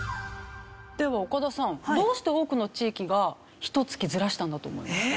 では岡田さんどうして多くの地域がひと月ずらしたんだと思います？